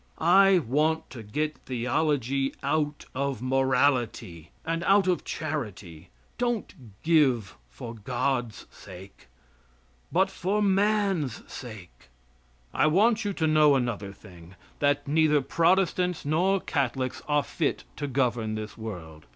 I want to get theology out of morality, and out of charity. Don't give for God's sake, but for man's sake. I want you to know another thing; that neither Protestants nor Catholics are fit to govern this world.